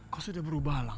kau sudah berubah alang